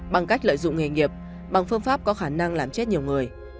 bằng cách lợi dụng nghề nghiệp bằng phương pháp có khả năng làm chết nhiều người